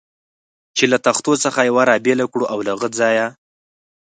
چې له تختو څخه یوه را بېله کړو او له هغه ځایه.